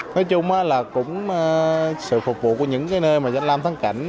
nói chung là cũng sự phục vụ của những cái nơi mà dành làm thắng cảnh